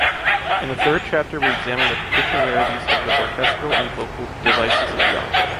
In the third chapter we examine the particularities of the orchestral and vocal devices of the opera.